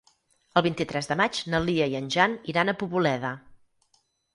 El vint-i-tres de maig na Lia i en Jan iran a Poboleda.